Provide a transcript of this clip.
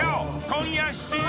今夜７時。